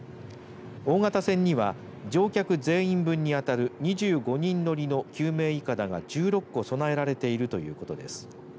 大型船には乗客全員分にあたる２５人乗りの救命いかだが１６個備えられているということです。